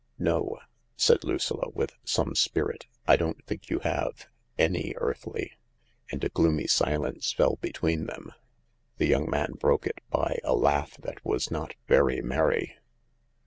" No," said Lucilla, with some spirit, " I don't think you have — any earthly." And a gloomy silence fell between them. The young man broke it by a laugh that was not very merry.